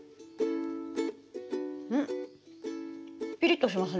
ピリッとしますね。